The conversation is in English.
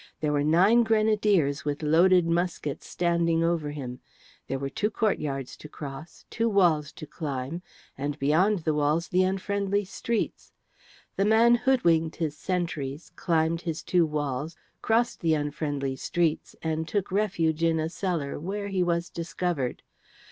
There were nine grenadiers with loaded muskets standing over him. There were two courtyards to cross, two walls to climb, and beyond the walls the unfriendly streets. The man hoodwinked his sentries, climbed his two walls, crossed the unfriendly streets, and took refuge in a cellar, where he was discovered.